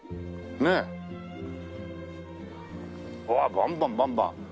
バンバンバンバン。